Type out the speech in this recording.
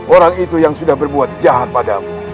orang itu yang sudah berbuat jahat padamu